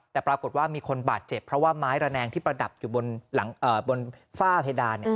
แต่ปรากฏว่ามีคนบาดเจ็บเพราะว่าไม้ระแนงที่ประดับอยู่บนฝ้าเพดาน